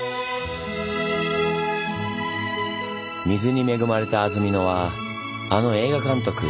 水に恵まれた安曇野はあの映画監督